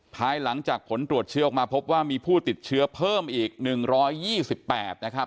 ภายหลังจากผลตรวจเชื้อออกมาพบว่ามีผู้ติดเชื้อเพิ่มอีก๑๒๘นะครับ